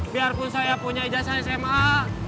biarpun saya punya ijazah sma